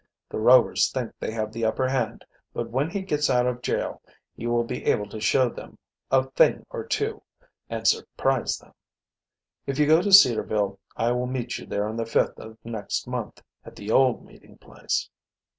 The Rovers think they have the upper hand, but when he gets out of jail he will be able to show them a thing or two and surprise them. If you go to Cedarville I will meet you there on the 5th of next month at the old meeting place.